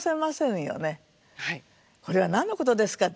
これは何のことですか？